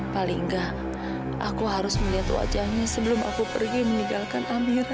paling enggak aku harus melihat wajahnya sebelum aku pergi meninggalkan amirnya